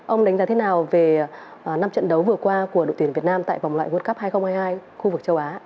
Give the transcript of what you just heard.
ông đánh giá thế nào về năm trận đấu vừa qua của đội tuyển việt nam tại vòng loại world cup hai nghìn hai mươi hai khu vực châu á